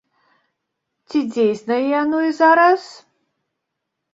Ці дзейснае яно і зараз?